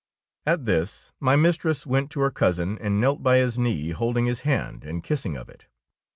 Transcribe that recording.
At this my mistress went to her cousin and knelt by his knee, holding his hand and kissing of it.